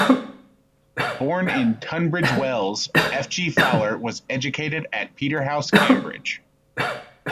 Born in Tunbridge Wells, F. G. Fowler was educated at Peterhouse, Cambridge.